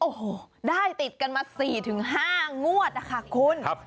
โอ้โหได้ติดกันมา๔๕งวดนะคะคุณ